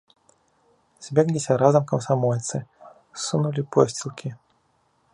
Збегліся разам камсамольцы, ссунулі посцілкі.